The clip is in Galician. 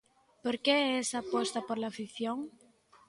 Por que esa aposta pola ficción?